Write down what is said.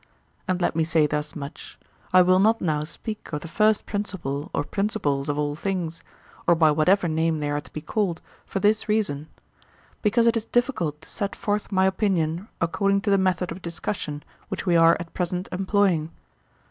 And let me say thus much: I will not now speak of the first principle or principles of all things, or by whatever name they are to be called, for this reason—because it is difficult to set forth my opinion according to the method of discussion which we are at present employing.